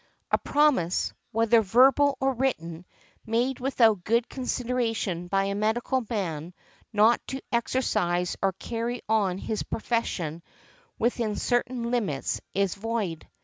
A promise, whether verbal or written, made without good consideration by a medical man not to exercise or carry on his profession within certain limits is void.